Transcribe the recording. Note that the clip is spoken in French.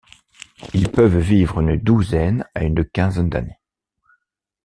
Ils peuvent vivre une douzaine à une quinzaine d'années.